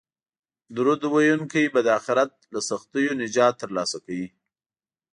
درود ویونکی به د اخرت له سختیو نجات ترلاسه کوي